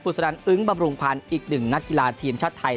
คุณสนันอึ้งบำรุงพันธ์อีกหนึ่งนักกีฬาทีมชาติไทย